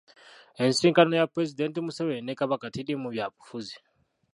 Ensisinkano ya Pulezidenti Museveni ne Kabaka teriimu byabufuzi.